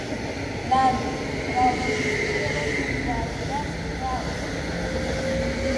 Нан, Рауф, бзиароу шәаҳзаазгазеи ҿаалҭуеит абырг.